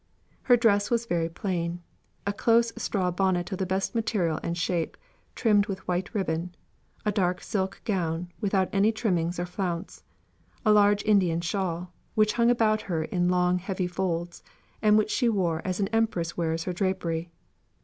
Her dress was very plain: a close straw bonnet of the best material and shape, trimmed with white ribbon; a large Indian shawl, which hung about her in long heavy folds, and which she wore as an empress wears her drapery.